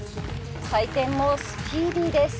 回転もスピーディーです。